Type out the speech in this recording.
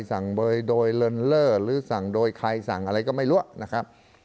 สั่งโดยเลินเล่อหรือสั่งโดยใครสั่งอะไรก็ไม่รู้นะครับ